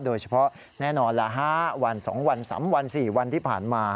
โดยเฉพาะแน่นอนละ๕วัน๒วัน๓วัน๔วันที่ผ่านมา